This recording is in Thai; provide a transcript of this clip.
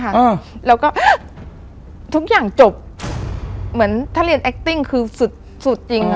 อ่าแล้วก็อ่ะทุกอย่างจบเหมือนถ้าเรียนแอคติ้งคือสุดสุดจริง